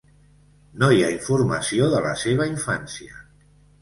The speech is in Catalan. No hi ha informació de la seva infància.